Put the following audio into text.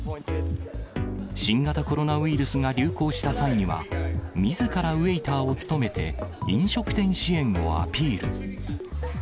新型コロナウイルスが流行した際には、みずからウエーターを務めて、飲食店支援をアピール。